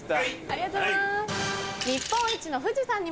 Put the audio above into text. ありがとうございます。